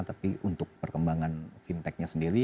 tapi untuk perkembangan fintechnya sendiri